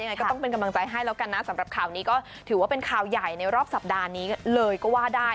ยังไงก็ต้องเป็นกำลังใจให้แล้วกันนะสำหรับข่าวนี้ก็ถือว่าเป็นข่าวใหญ่ในรอบสัปดาห์นี้เลยก็ว่าได้